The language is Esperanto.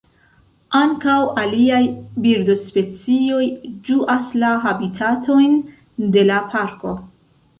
Ankaŭ aliaj birdospecioj ĝuas la habitatojn de la parko.